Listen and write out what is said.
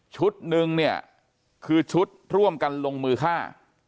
นึงเนี่ยคือชุดร่วมกันลงมือฆ่า